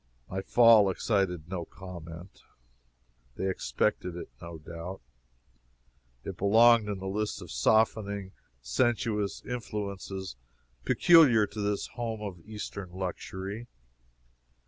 My fall excited no comment. They expected it, no doubt. It belonged in the list of softening, sensuous influences peculiar to this home of Eastern luxury.